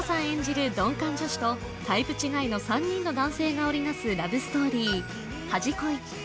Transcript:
演じる鈍感女子とタイプ違いの３人の男性が織りなすラブストーリー「はじこい」